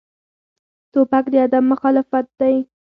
توپک د ادب مخالف دی.